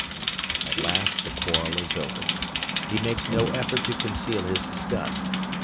At last the quarrel is open. He makes no effort to conceal his disgust.